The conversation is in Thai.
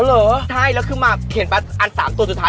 อ๋อเหรอใช่แล้วขึ้นมาเขียนปัดอัน๓ตัวสุดท้าย